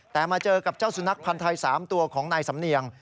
แต่มาเจอกับเจ้าสุนัขพันธ์ไทย๓ตัวของนายสำเนียง